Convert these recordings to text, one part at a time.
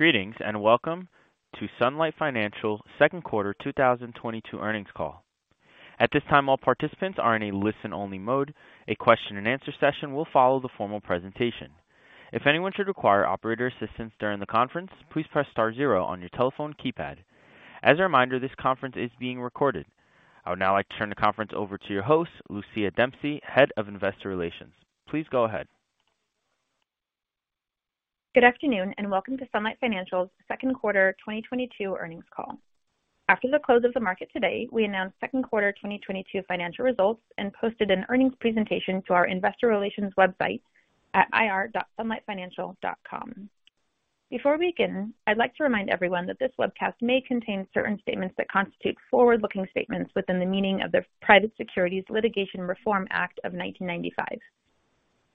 Greetings, and welcome to Sunlight Financial's second quarter 2022 earnings call. At this time, all participants are in a listen-only mode. A question and answer session will follow the formal presentation. If anyone should require operator assistance during the conference, please press star zero on your telephone keypad. As a reminder, this conference is being recorded. I would now like to turn the conference over to your host, Lucia Dempsey, Head of Investor Relations. Please go ahead. Good afternoon, and welcome to Sunlight Financial's second quarter 2022 earnings call. After the close of the market today, we announced second quarter 2022 financial results and posted an earnings presentation to our investor relations website at ir.sunlightfinancial.com. Before we begin, I'd like to remind everyone that this webcast may contain certain statements that constitute forward-looking statements within the meaning of the Private Securities Litigation Reform Act of 1995.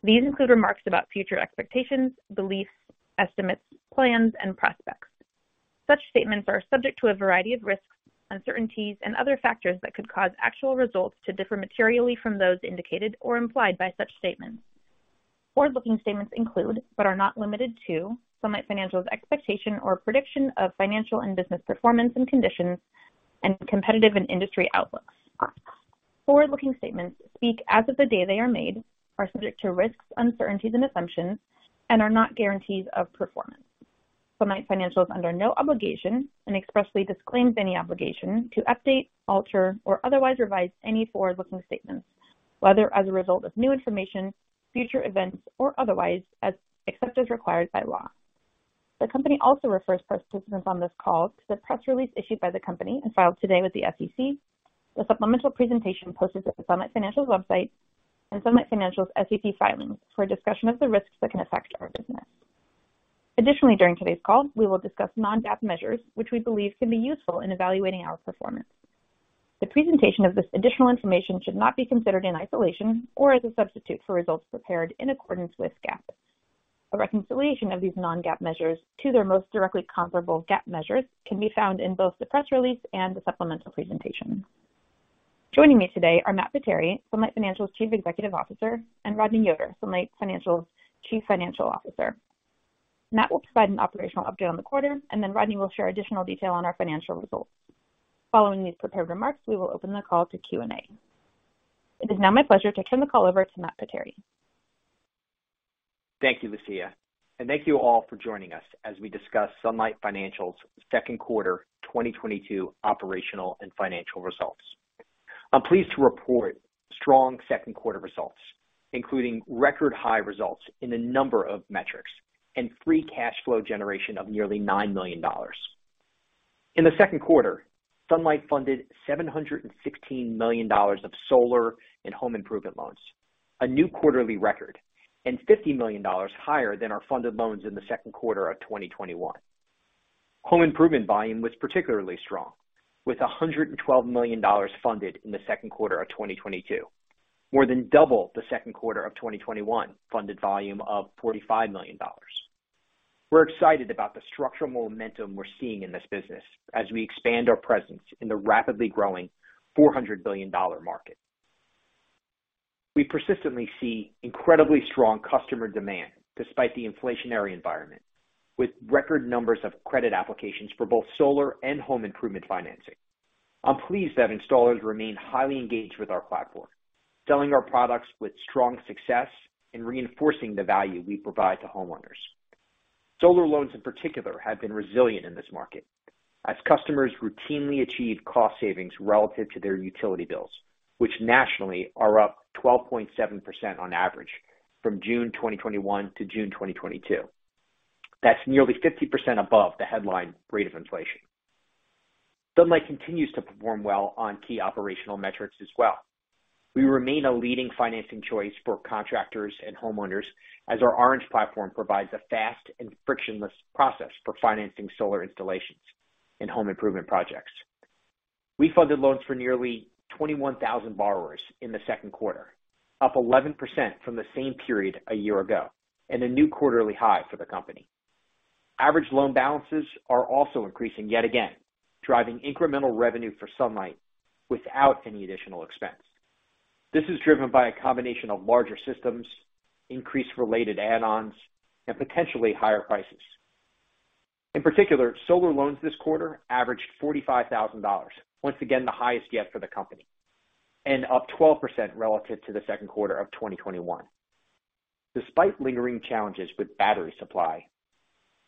These include remarks about future expectations, beliefs, estimates, plans, and prospects. Such statements are subject to a variety of risks, uncertainties, and other factors that could cause actual results to differ materially from those indicated or implied by such statements. Forward-looking statements include, but are not limited to, Sunlight Financial's expectation or prediction of financial and business performance and conditions and competitive and industry outlooks. Forward-looking statements speak as of the day they are made, are subject to risks, uncertainties, and assumptions, and are not guarantees of performance. Sunlight Financial is under no obligation and expressly disclaims any obligation to update, alter, or otherwise revise any forward-looking statements, whether as a result of new information, future events, or otherwise, except as required by law. The company also refers participants on this call to the press release issued by the company and filed today with the SEC, the supplemental presentation posted at Sunlight Financial's website, and Sunlight Financial's SEC filings for a discussion of the risks that can affect our business. Additionally, during today's call, we will discuss non-GAAP measures, which we believe can be useful in evaluating our performance. The presentation of this additional information should not be considered in isolation or as a substitute for results prepared in accordance with GAAP. A reconciliation of these non-GAAP measures to their most directly comparable GAAP measures can be found in both the press release and the supplemental presentation. Joining me today are Matt Potere, Sunlight Financial's Chief Executive Officer, and Rodney Yoder, Sunlight Financial's Chief Financial Officer. Matt will provide an operational update on the quarter, and then Rodney will share additional detail on our financial results. Following these prepared remarks, we will open the call to Q&A. It is now my pleasure to turn the call over to Matt Potere. Thank you, Lucia, and thank you all for joining us as we discuss Sunlight Financial's second quarter 2022 operational and financial results. I'm pleased to report strong second quarter results, including record high results in a number of metrics and free cash flow generation of nearly $9 million. In the second quarter, Sunlight funded $716 million of solar and home improvement loans, a new quarterly record and $50 million higher than our funded loans in the second quarter of 2021. Home improvement volume was particularly strong, with $112 million funded in the second quarter of 2022, more than double the second quarter of 2021 funded volume of $45 million. We're excited about the structural momentum we're seeing in this business as we expand our presence in the rapidly growing $400 billion market. We persistently see incredibly strong customer demand despite the inflationary environment, with record numbers of credit applications for both solar and home improvement financing. I'm pleased that installers remain highly engaged with our platform, selling our products with strong success and reinforcing the value we provide to homeowners. Solar loans in particular have been resilient in this market as customers routinely achieve cost savings relative to their utility bills, which nationally are up 12.7% on average from June 2021 to June 2022. That's nearly 50% above the headline rate of inflation. Sunlight continues to perform well on key operational metrics as well. We remain a leading financing choice for contractors and homeowners as our Orange platform provides a fast and frictionless process for financing solar installations and home improvement projects. We funded loans for nearly 21,000 borrowers in the second quarter, up 11% from the same period a year ago and a new quarterly high for the company. Average loan balances are also increasing yet again, driving incremental revenue for Sunlight without any additional expense. This is driven by a combination of larger systems, increased related add-ons, and potentially higher prices. In particular, solar loans this quarter averaged $45,000, once again the highest yet for the company, and up 12% relative to the second quarter of 2021. Despite lingering challenges with battery supply,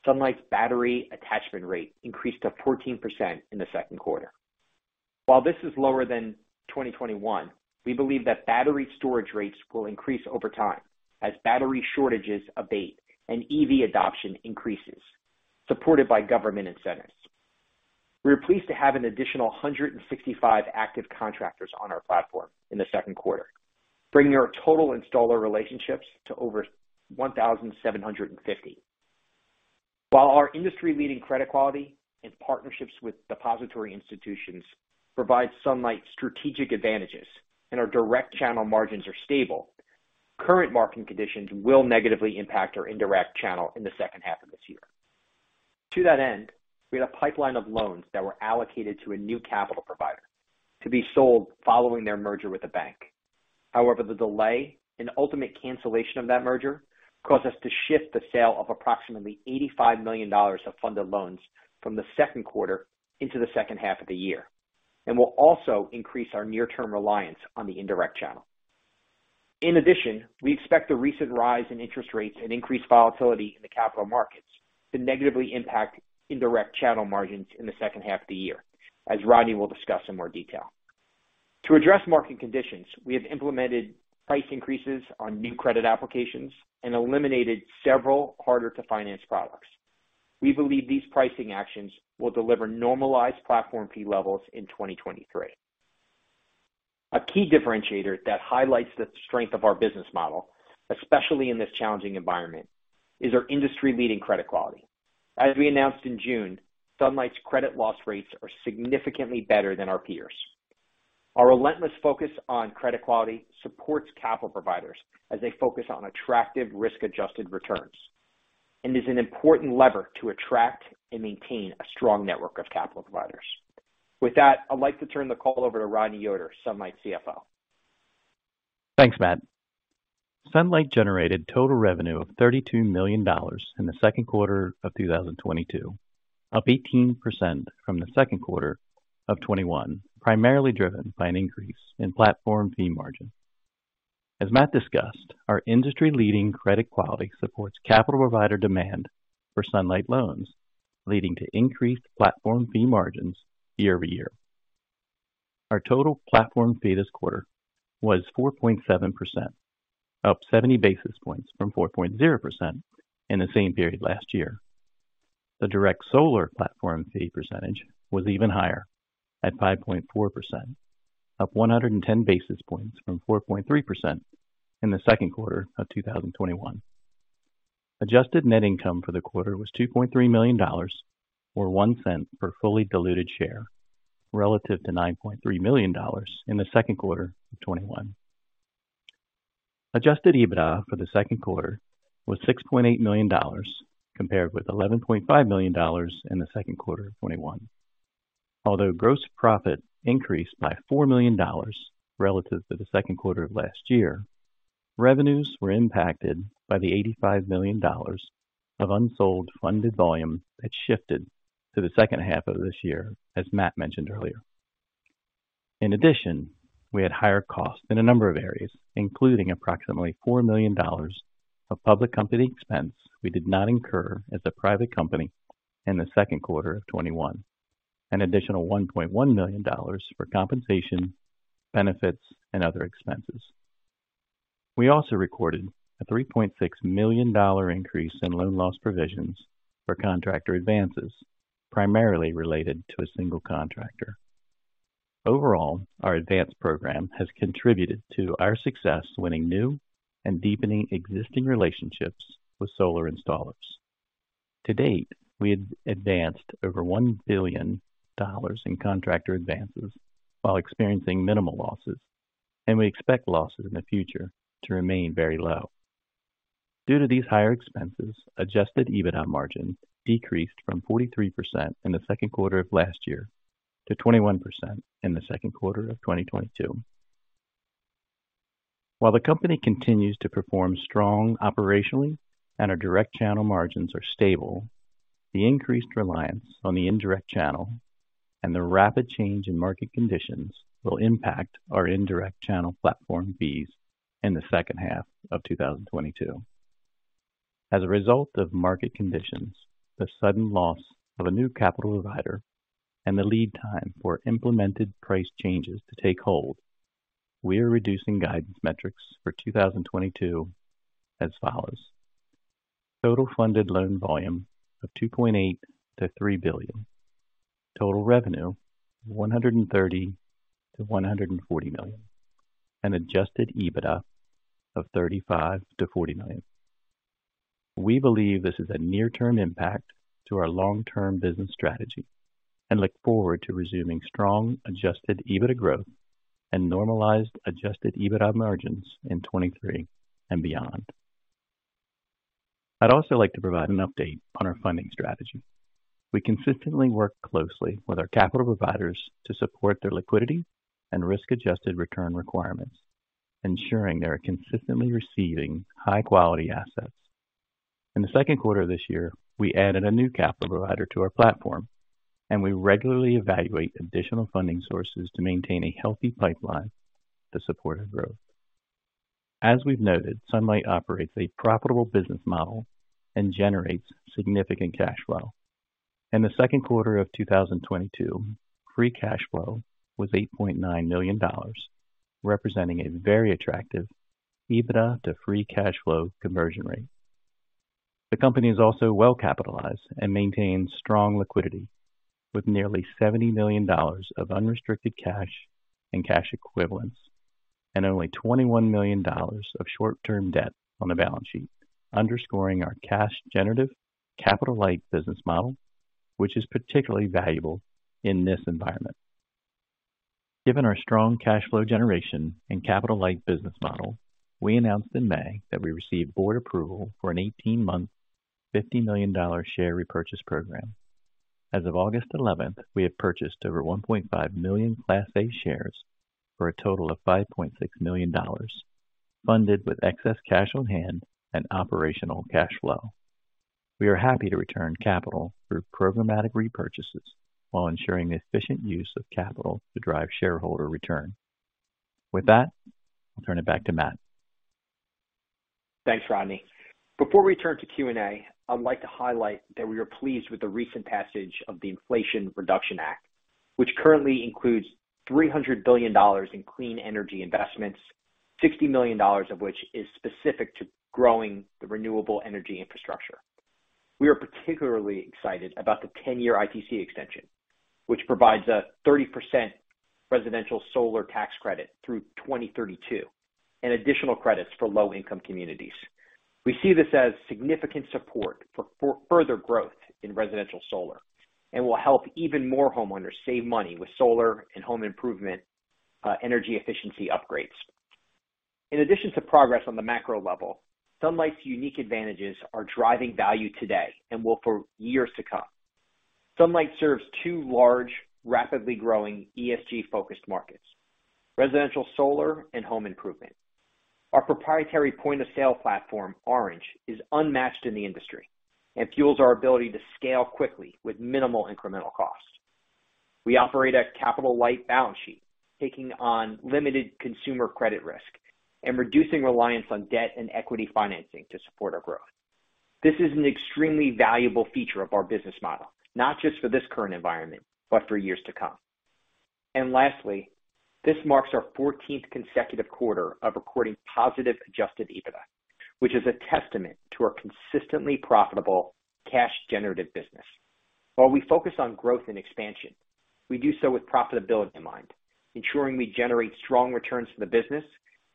Sunlight's battery attachment rate increased to 14% in the second quarter. While this is lower than 2021, we believe that battery storage rates will increase over time as battery shortages abate and EV adoption increases, supported by government incentives. We are pleased to have an additional 165 active contractors on our platform in the second quarter, bringing our total installer relationships to over 1,750. While our industry-leading credit quality and partnerships with depository institutions provide Sunlight strategic advantages and our direct channel margins are stable, current market conditions will negatively impact our indirect channel in the second half of this year. To that end, we had a pipeline of loans that were allocated to a new capital provider to be sold following their merger with a bank. However, the delay and ultimate cancellation of that merger caused us to shift the sale of approximately $85 million of funded loans from the second quarter into the second half of the year and will also increase our near-term reliance on the indirect channel. In addition, we expect the recent rise in interest rates and increased volatility in the capital markets to negatively impact indirect channel margins in the second half of the year, as Rodney will discuss in more detail. To address market conditions, we have implemented price increases on new credit applications and eliminated several harder to finance products. We believe these pricing actions will deliver normalized platform fee levels in 2023. A key differentiator that highlights the strength of our business model, especially in this challenging environment, is our industry-leading credit quality. As we announced in June, Sunlight's credit loss rates are significantly better than our peers. Our relentless focus on credit quality supports capital providers as they focus on attractive risk-adjusted returns and is an important lever to attract and maintain a strong network of capital providers. With that, I'd like to turn the call over to Rodney Yoder, Sunlight CFO. Thanks, Matt. Sunlight generated total revenue of $32 million in the second quarter of 2022, up 18% from the second quarter of 2021, primarily driven by an increase in platform fee margin. As Matt discussed, our industry-leading credit quality supports capital provider demand for Sunlight loans, leading to increased platform fee margins year over year. Our total platform fee this quarter was 4.7%, up 70 basis points from 4.0% in the same period last year. The direct solar platform fee percentage was even higher at 5.4%, up 110 basis points from 4.3% in the second quarter of 2021. Adjusted net income for the quarter was $2.3 million, or $0.01 per fully diluted share, relative to $9.3 million in the second quarter of 2021. Adjusted EBITDA for the second quarter was $6.8 million, compared with $11.5 million in the second quarter of 2021. Although gross profit increased by $4 million relative to the second quarter of last year, revenues were impacted by the $85 million of unsold funded volume that shifted to the second half of this year, as Matt mentioned earlier. In addition, we had higher costs in a number of areas, including approximately $4 million of public company expense we did not incur as a private company in the second quarter of 2021. An additional $1.1 million for compensation, benefits, and other expenses. We also recorded a $3.6 million increase in loan loss provisions for contractor advances, primarily related to a single contractor. Overall, our advance program has contributed to our success winning new and deepening existing relationships with solar installers. To date, we have advanced over $1 billion in contractor advances while experiencing minimal losses, and we expect losses in the future to remain very low. Due to these higher expenses, Adjusted EBITDA margin decreased from 43% in the second quarter of last year to 21% in the second quarter of 2022. While the company continues to perform strong operationally and our direct channel margins are stable, the increased reliance on the indirect channel and the rapid change in market conditions will impact our indirect channel platform fees in the second half of 2022. As a result of market conditions, the sudden loss of a new capital provider and the lead time for implemented price changes to take hold, we are reducing guidance metrics for 2022 as follows: Total funded loan volume of $2.8-$3 billion. Total revenue of $130-$140 million. Adjusted EBITDA of $35-$40 million. We believe this is a near-term impact to our long-term business strategy and look forward to resuming strong Adjusted EBITDA growth and normalized Adjusted EBITDA margins in 2023 and beyond. I'd also like to provide an update on our funding strategy. We consistently work closely with our capital providers to support their liquidity and risk-adjusted return requirements, ensuring they are consistently receiving high quality assets. In the second quarter of this year, we added a new capital provider to our platform, and we regularly evaluate additional funding sources to maintain a healthy pipeline to support our growth. As we've noted, Sunlight operates a profitable business model and generates significant cash flow. In the second quarter of 2022, free cash flow was $8.9 million, representing a very attractive EBITDA to free cash flow conversion rate. The company is also well capitalized and maintains strong liquidity with nearly $70 million of unrestricted cash and cash equivalents, and only $21 million of short-term debt on the balance sheet, underscoring our cash generative capital light business model, which is particularly valuable in this environment. Given our strong cash flow generation and capital light business model, we announced in May that we received board approval for an 18-month $50 million share repurchase program. As of August 11, we have purchased over 1.5 million Class A shares for a total of $5.6 million, funded with excess cash on hand and operational cash flow. We are happy to return capital through programmatic repurchases while ensuring the efficient use of capital to drive shareholder return. With that, I'll turn it back to Matt. Thanks, Rodney. Before we turn to Q&A, I'd like to highlight that we are pleased with the recent passage of the Inflation Reduction Act, which currently includes $300 billion in clean energy investments, $60 million of which is specific to growing the renewable energy infrastructure. We are particularly excited about the 10-year ITC extension, which provides a 30% residential solar tax credit through 2032 and additional credits for low-income communities. We see this as significant support for further growth in residential solar and will help even more homeowners save money with solar and home improvement energy efficiency upgrades. In addition to progress on the macro level, Sunlight's unique advantages are driving value today and will for years to come. Sunlight serves two large, rapidly growing ESG-focused markets, residential solar, and home improvement. Our proprietary point-of-sale platform, Orange, is unmatched in the industry and fuels our ability to scale quickly with minimal incremental cost. We operate a capital-light balance sheet, taking on limited consumer credit risk and reducing reliance on debt and equity financing to support our growth. This is an extremely valuable feature of our business model, not just for this current environment, but for years to come. Lastly, this marks our fourteenth consecutive quarter of recording positive Adjusted EBITDA, which is a testament to our consistently profitable cash generative business. While we focus on growth and expansion, we do so with profitability in mind, ensuring we generate strong returns for the business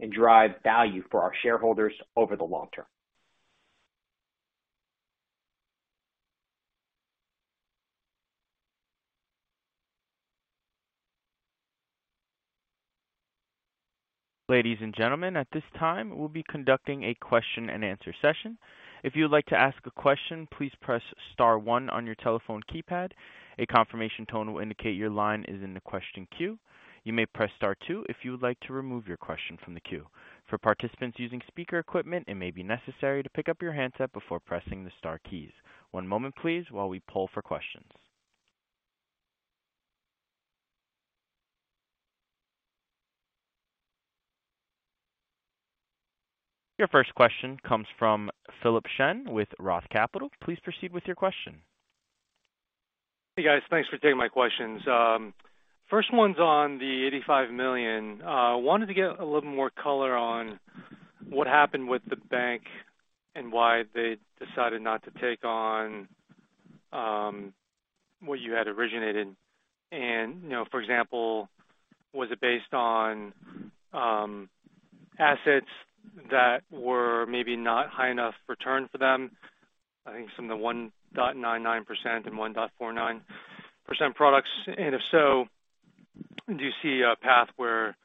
and drive value for our shareholders over the long term. Ladies and gentlemen, at this time, we'll be conducting a question-and-answer session. If you would like to ask a question, please press star one on your telephone keypad. A confirmation tone will indicate your line is in the question queue. You may press star two if you would like to remove your question from the queue. For participants using speaker equipment, it may be necessary to pick up your handset before pressing the star keys. One moment, please, while we pull for questions. Your first question comes from Philip Shen with Roth Capital. Please proceed with your question. Hey, guys. Thanks for taking my questions. First one's on the $85 million. Wanted to get a little more color on what happened with the bank and why they decided not to take on what you had originated. You know, for example, was it based on assets that were maybe not high enough return for them? I think some of the 1.99% and 1.49% products. If so, do you see a path where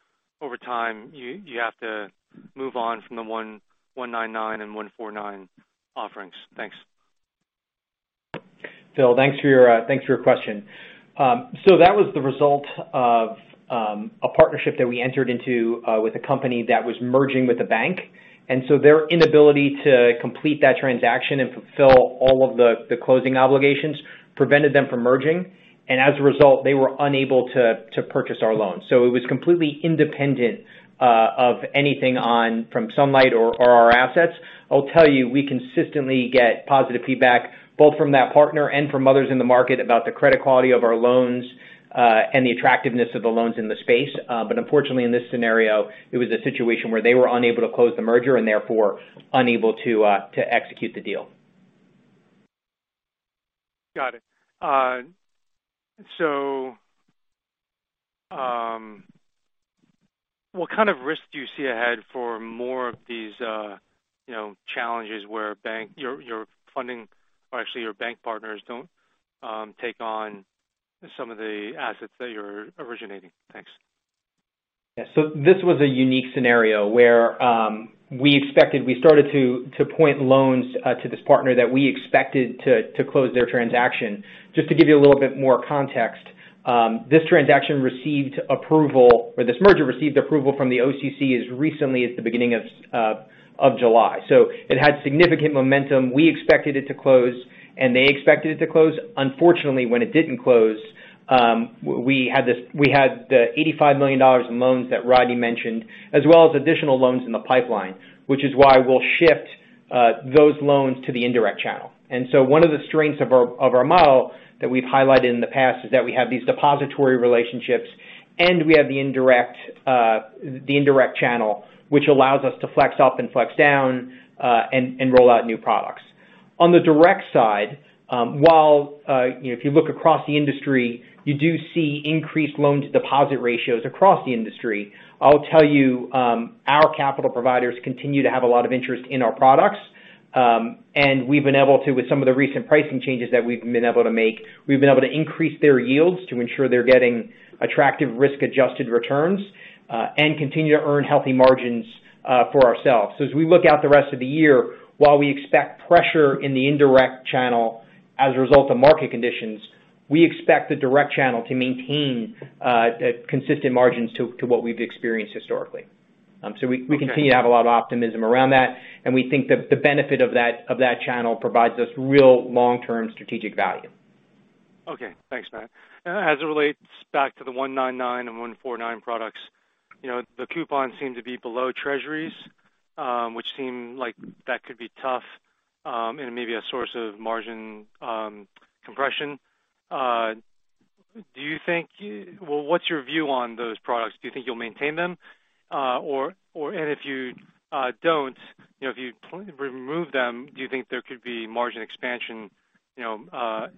over time you have to move on from the 1.99 and 1.49 offerings? Thanks. Philip, thanks for your question. That was the result of a partnership that we entered into with a company that was merging with a bank. Their inability to complete that transaction and fulfill all of the closing obligations prevented them from merging, and as a result, they were unable to purchase our loans. It was completely independent of anything from Sunlight or our assets. I'll tell you, we consistently get positive feedback both from that partner and from others in the market about the credit quality of our loans and the attractiveness of the loans in the space. Unfortunately, in this scenario, it was a situation where they were unable to close the merger and therefore unable to execute the deal. Got it. What kind of risk do you see ahead for more of these, you know, challenges where your funding or actually your bank partners don't take on some of the assets that you're originating? Thanks. Yeah. This was a unique scenario where we started to point loans to this partner that we expected to close their transaction. Just to give you a little bit more context, this merger received approval from the OCC as recently as the beginning of July. It had significant momentum. We expected it to close, and they expected it to close. Unfortunately, when it didn't close, we had the $85 million in loans that Rodney mentioned, as well as additional loans in the pipeline, which is why we'll shift those loans to the indirect channel. One of the strengths of our model that we've highlighted in the past is that we have these depository relationships, and we have the indirect channel, which allows us to flex up and flex down, and roll out new products. On the direct side, while you know, if you look across the industry, you do see increased loan-to-deposit ratios across the industry. I'll tell you, our capital providers continue to have a lot of interest in our products, and we've been able to with some of the recent pricing changes that we've been able to make, we've been able to increase their yields to ensure they're getting attractive risk-adjusted returns, and continue to earn healthy margins for ourselves. As we look out the rest of the year, while we expect pressure in the indirect channel as a result of market conditions. We expect the direct channel to maintain consistent margins to what we've experienced historically. Okay. We continue to have a lot of optimism around that, and we think that the benefit of that channel provides us real long-term strategic value. Okay. Thanks, Matt. As it relates back to the 199 and 149 products, you know, the coupons seem to be below Treasuries, which seem like that could be tough, and maybe a source of margin compression. Well, what's your view on those products? Do you think you'll maintain them? Or, and if you don't, you know, if you remove them, do you think there could be margin expansion, you know,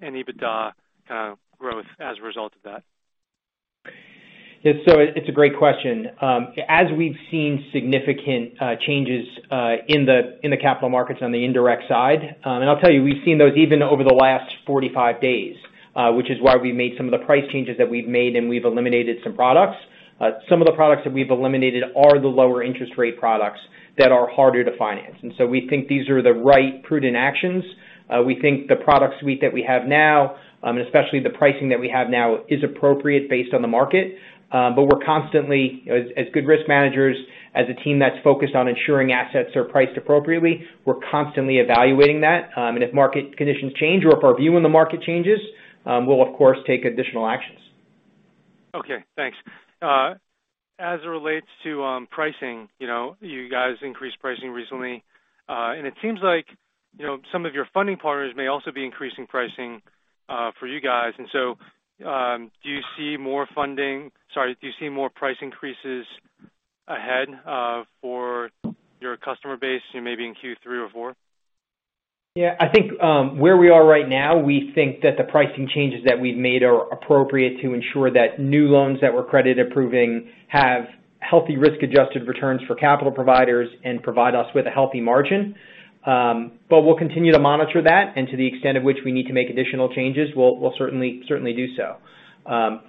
and EBITDA kind of growth as a result of that? Yeah. It's a great question. As we've seen significant changes in the capital markets on the indirect side. I'll tell you, we've seen those even over the last 45 days, which is why we made some of the price changes that we've made, and we've eliminated some products. Some of the products that we've eliminated are the lower interest rate products that are harder to finance. We think these are the right prudent actions. We think the product suite that we have now, and especially the pricing that we have now is appropriate based on the market. We're constantly as good risk managers, as a team that's focused on ensuring assets are priced appropriately, we're constantly evaluating that. If market conditions change or if our view in the market changes, we'll of course take additional actions. Okay, thanks. As it relates to pricing, you know, you guys increased pricing recently. It seems like, you know, some of your funding partners may also be increasing pricing for you guys. Do you see more price increases ahead for your customer base, you know, maybe in Q3 or Q4? Yeah, I think where we are right now, we think that the pricing changes that we've made are appropriate to ensure that new loans that we're credit approving have healthy risk-adjusted returns for capital providers and provide us with a healthy margin. We'll continue to monitor that, and to the extent to which we need to make additional changes, we'll certainly do so.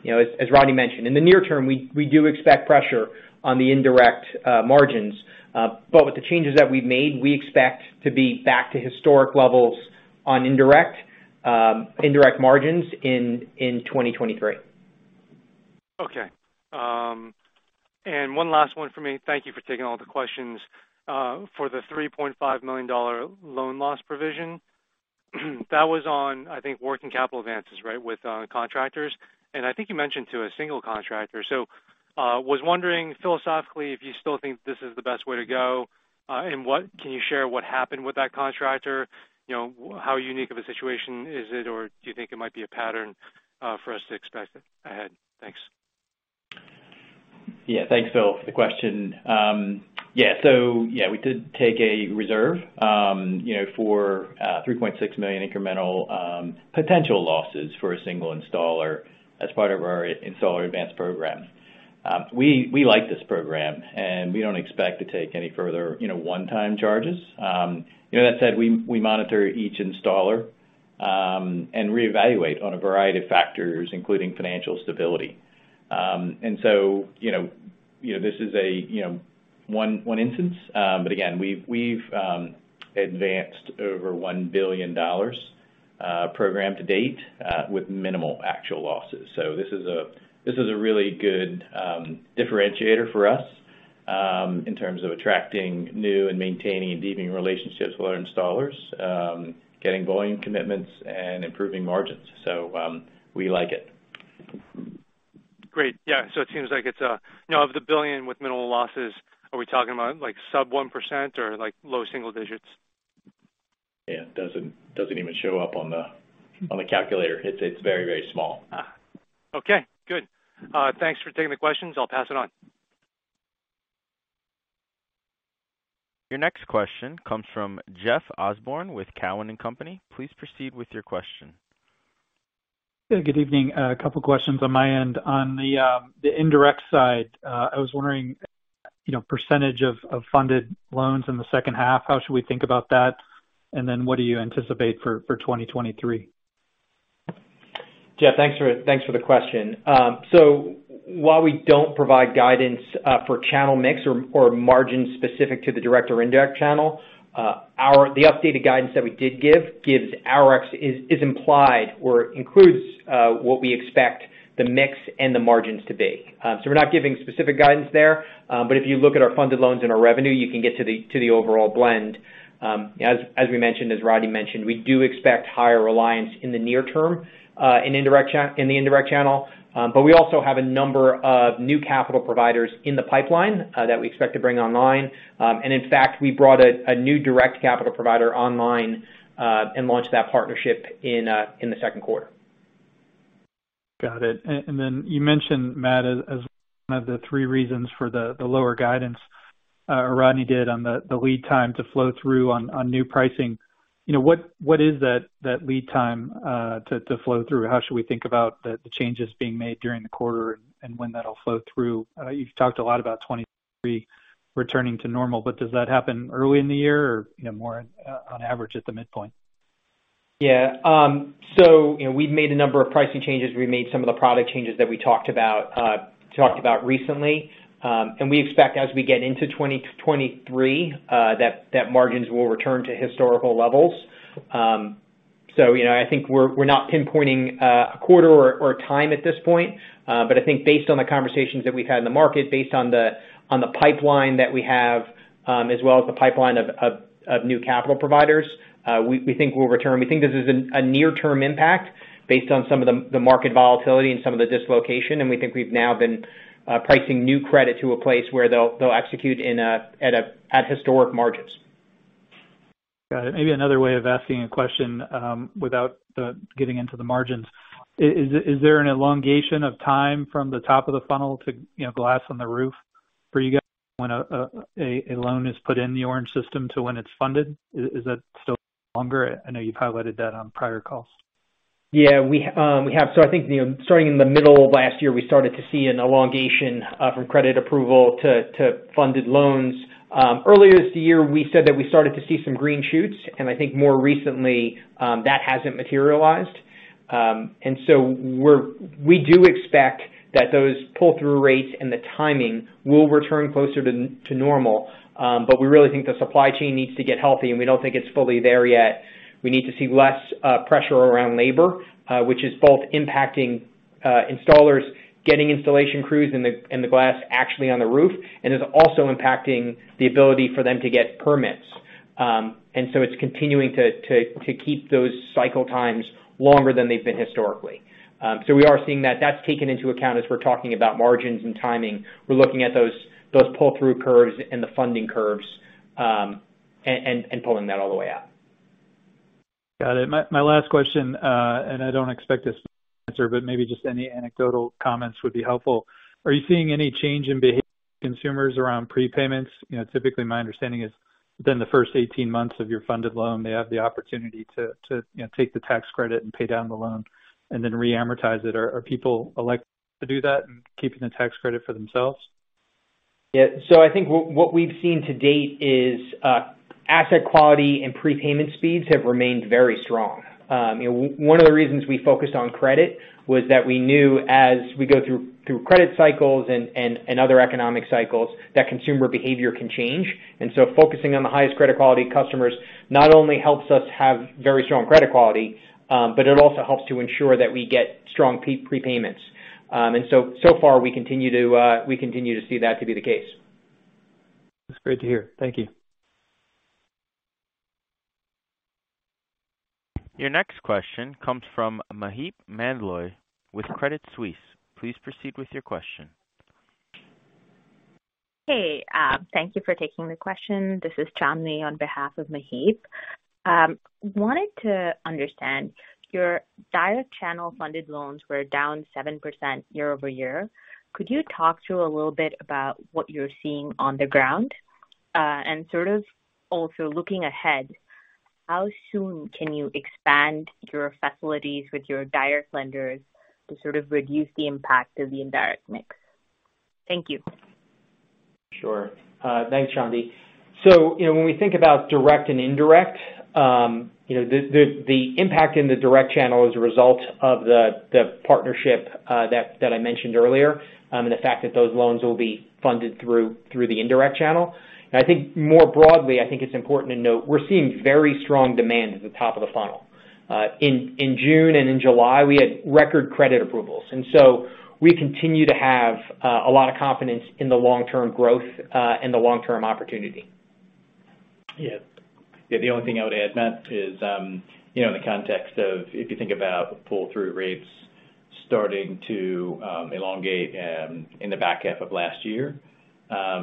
You know, as Rodney mentioned, in the near term, we do expect pressure on the indirect margins. With the changes that we've made, we expect to be back to historic levels on indirect margins in 2023. Okay. One last one for me. Thank you for taking all the questions. For the $3.5 million loan loss provision, that was on, I think, working capital advances, right, with contractors. I think you mentioned to a single contractor. Was wondering philosophically if you still think this is the best way to go. Can you share what happened with that contractor? You know, how unique of a situation is it, or do you think it might be a pattern for us to expect it ahead? Thanks. Yeah. Thanks, Philip, for the question. We did take a reserve, you know, for $3.6 million incremental potential losses for a single installer as part of our installer advance program. We like this program, and we don't expect to take any further, you know, one-time charges. You know, that said, we monitor each installer and reevaluate on a variety of factors, including financial stability. You know, this is a one instance. But again, we've advanced over $1 billion program to date with minimal actual losses. This is a really good differentiator for us in terms of attracting new and maintaining and deepening relationships with our installers, getting volume commitments and improving margins. We like it. Great. Yeah. It seems like it's, you know, of the billion with minimal losses, are we talking about like sub 1% or like low single digits? Yeah. It doesn't even show up on the calculator. It's very small. Okay, good. Thanks for taking the questions. I'll pass it on. Your next question comes from Jeff Osborne with Cowen and Company. Please proceed with your question. Yeah, good evening. A couple questions on my end. On the indirect side, I was wondering, you know, percentage of funded loans in the second half. How should we think about that? What do you anticipate for 2023? Jeff, thanks for the question. While we don't provide guidance for channel mix or margin specific to the direct or indirect channel, the updated guidance that we did give is implied or includes what we expect the mix and the margins to be. We're not giving specific guidance there. If you look at our funded loans and our revenue, you can get to the overall blend. As we mentioned, as Rodney mentioned, we do expect higher reliance in the near term in the indirect channel. We also have a number of new capital providers in the pipeline that we expect to bring online. In fact, we brought a new direct capital provider online and launched that partnership in the second quarter. Got it. You mentioned, Matt, as one of the three reasons for the lower guidance Rodney did on the lead time to flow through on new pricing. What is that lead time to flow through? How should we think about the changes being made during the quarter and when that'll flow through? You've talked a lot about 2023 returning to normal. Does that happen early in the year or more on average at the midpoint? Yeah. You know, we've made a number of pricing changes. We made some of the product changes that we talked about recently. We expect as we get into 2023, that margins will return to historical levels. You know, I think we're not pinpointing a quarter or time at this point. I think based on the conversations that we've had in the market, based on the pipeline that we have, as well as the pipeline of new capital providers, we think we'll return. We think this is a near-term impact based on some of the market volatility and some of the dislocation. We think we've now been pricing new credit to a place where they'll execute at historic margins. Got it. Maybe another way of asking a question, without getting into the margins. Is there an elongation of time from the top of the funnel to, you know, glass on the roof for you guys when a loan is put in the Orange system to when it's funded? Is that still longer? I know you've highlighted that on prior calls. Yeah. We have. I think, you know, starting in the middle of last year, we started to see an elongation from credit approval to funded loans. Earlier this year, we said that we started to see some green shoots, and I think more recently, that hasn't materialized. We do expect that those pull-through rates and the timing will return closer to normal. We really think the supply chain needs to get healthy, and we don't think it's fully there yet. We need to see less pressure around labor, which is both impacting installers getting installation crews and the glass actually on the roof, and is also impacting the ability for them to get permits. It's continuing to keep those cycle times longer than they've been historically. We are seeing that that's taken into account as we're talking about margins and timing. We're looking at those pull-through curves and the funding curves, and pulling that all the way out. Got it. My last question, and I don't expect this answer, but maybe just any anecdotal comments would be helpful. Are you seeing any change in consumer behavior around prepayments? You know, typically, my understanding is within the first 18 months of your funded loan, they have the opportunity to, you know, take the tax credit and pay down the loan and then reamortize it. Are people electing to do that and keeping the tax credit for themselves? Yeah. I think what we've seen to date is asset quality and prepayment speeds have remained very strong. You know, one of the reasons we focused on credit was that we knew as we go through credit cycles and other economic cycles, that consumer behavior can change. Focusing on the highest credit quality customers not only helps us have very strong credit quality, but it also helps to ensure that we get strong prepayments. So far we continue to see that to be the case. That's great to hear. Thank you. Your next question comes from Maheep Mandloi with Credit Suisse. Please proceed with your question. Thank you for taking the question. This is Chandni on behalf of Maheep. Wanted to understand, your direct channel funded loans were down 7% year-over-year. Could you talk a little bit about what you're seeing on the ground? Sort of also looking ahead, how soon can you expand your facilities with your direct lenders to sort of reduce the impact of the indirect mix? Thank you. Sure. Thanks, Chandni. So, you know, when we think about direct and indirect, you know, the impact in the direct channel is a result of the partnership that I mentioned earlier, and the fact that those loans will be funded through the indirect channel. I think more broadly, I think it's important to note we're seeing very strong demand at the top of the funnel. In June and in July, we had record credit approvals. We continue to have a lot of confidence in the long-term growth and the long-term opportunity. Yeah. Yeah, the only thing I would add, Matt, is, you know, in the context of if you think about pull-through rates starting to elongate in the back half of last year,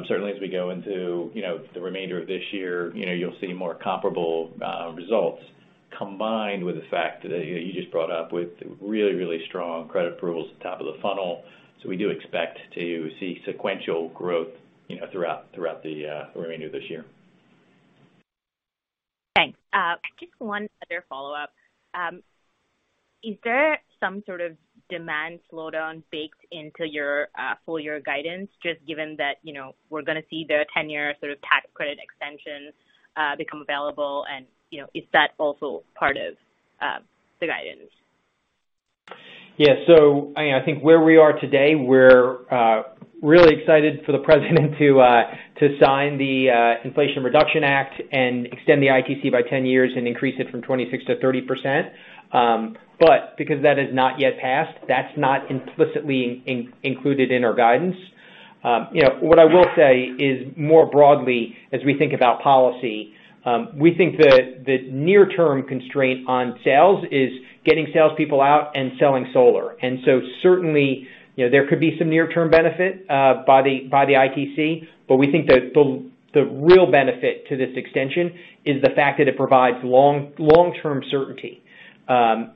certainly as we go into, you know, the remainder of this year, you know, you'll see more comparable results combined with the fact that, you know, you just brought up with really, really strong credit approvals at the top of the funnel. We do expect to see sequential growth, you know, throughout the remainder of this year. Thanks. Just one other follow-up. Is there some sort of demand slowdown baked into your full year guidance, just given that, you know, we're gonna see the ten-year sort of tax credit extension become available? You know, is that also part of the guidance? Yeah. I think where we are today, we're really excited for the president to sign the Inflation Reduction Act and extend the ITC by 10 years and increase it from 26%-30%. Because that has not yet passed, that's not implicitly included in our guidance. You know, what I will say is more broadly as we think about policy, we think the near-term constraint on sales is getting salespeople out and selling solar. Certainly, you know, there could be some near-term benefit by the ITC, but we think that the real benefit to this extension is the fact that it provides long-term certainty.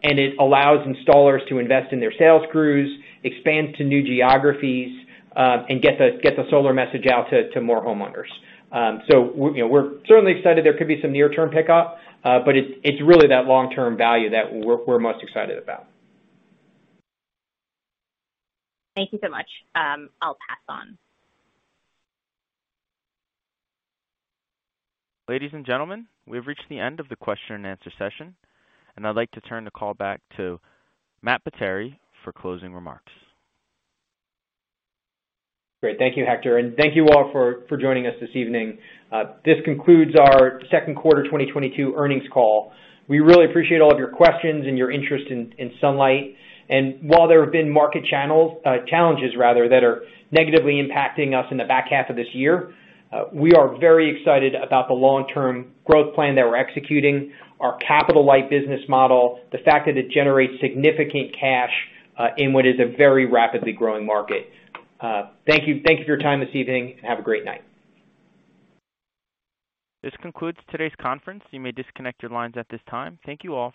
It allows installers to invest in their sales crews, expand to new geographies, and get the solar message out to more homeowners. You know, we're certainly excited there could be some near-term pickup, but it's really that long-term value that we're most excited about. Thank you so much. I'll pass on. Ladies and gentlemen, we've reached the end of the question and answer session, and I'd like to turn the call back to Matt Potere for closing remarks. Great. Thank you, Hector. Thank you all for joining us this evening. This concludes our second quarter 2022 earnings call. We really appreciate all of your questions and your interest in Sunlight. While there have been market challenges rather, that are negatively impacting us in the back half of this year, we are very excited about the long-term growth plan that we're executing, our capital light business model, the fact that it generates significant cash, in what is a very rapidly growing market. Thank you. Thank you for your time this evening, and have a great night. This concludes today's conference. You may disconnect your lines at this time. Thank you all.